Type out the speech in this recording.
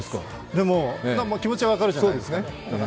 でも、気持ちは分かるじゃないですか。